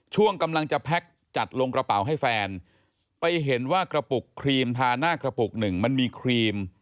ช่วงกำลังจะแพ็คจัดลงกระเป๋าให้แฟนไปเห็นว่ากระปุกครีมทาหน้ากระปุกหนึ่งมันมีครีม